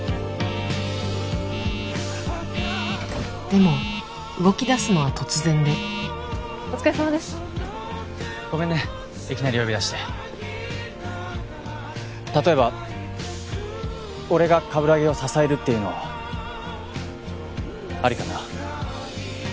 でも動きだすのは突然でお疲れさまですごめんねいきなり呼び出して例えば俺が鏑木を支えるっていうのはありかな？